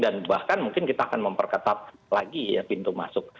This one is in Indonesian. dan bahkan mungkin kita akan memperketat lagi pintu masuk